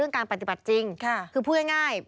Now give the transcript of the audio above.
การปฏิบัติจริงคือพูดง่าย